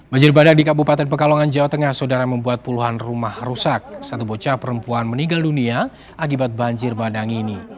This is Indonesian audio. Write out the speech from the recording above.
banjir bandang terjadi setelah hujan deras melanda daerah ini